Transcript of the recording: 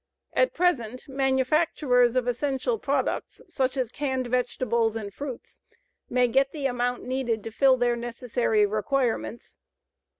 At present manufacturers of essential products such as canned vegetables and fruits may get the amount needed to fill their necessary requirements.